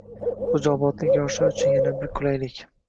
Xo‘jaobodlik yoshlar uchun yana bir qulaylikng